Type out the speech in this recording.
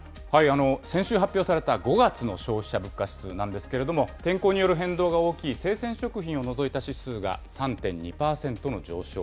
先週発表された５月の消費者物価指数なんですけれども、天候による変動が大きい生鮮食品を除いた指数が３．２％の上昇。